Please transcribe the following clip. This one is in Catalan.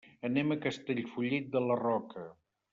Anem a Castellfollit de la Roca.